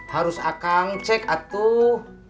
harus akan cek atuh